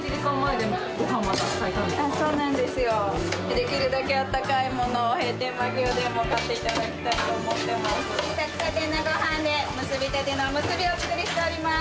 できるだけ温かいものを、閉店間際でも買っていただきたいと思ってます。